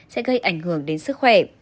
sẽ gây ảnh hưởng đến sức khỏe